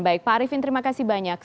baik pak arifin terima kasih banyak